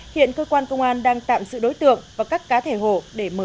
hiện cơ quan công an đang tạm giữ đối tượng và các cá thể hồ để mở rộng điều tra làm rõ